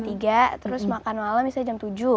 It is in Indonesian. terus makan malam misalnya jam tujuh